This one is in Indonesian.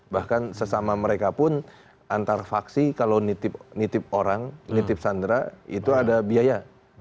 bahkan sesama mereka pun antar faksi kalau nitip orang nitip sandera itu ada biaya